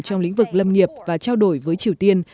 trong lĩnh vực lâm nghiệp và trao đổi với triều tiên